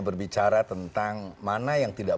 berbicara tentang mana yang tidak